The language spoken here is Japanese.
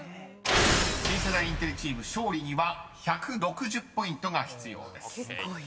［新世代インテリチーム勝利には１６０ポイントが必要です］